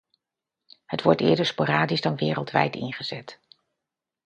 Het wordt eerder sporadisch dan wereldwijd ingezet.